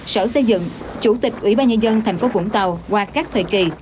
sở xây dựng chủ tịch ủy ban nhân dân tp vũng tàu qua các thời kỳ